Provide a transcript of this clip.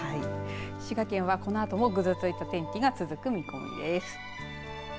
滋賀県はこのあともぐずついた天気が続く見込みです。